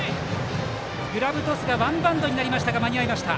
グラブトスがワンバウンドになりましたが間に合いました。